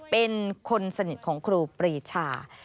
เป็นคนสนิทของครูปรีชา